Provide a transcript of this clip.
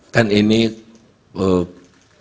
kan ini pemilu nasional